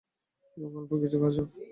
এবং অল্প কিছু গাজর?